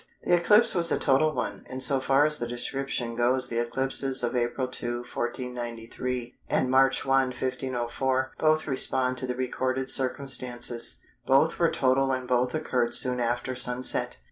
The eclipse was a total one, and so far as the description goes the eclipses of April 2, 1493, and March 1, 1504, both respond to the recorded circumstances: both were total and both occurred soon after sunset.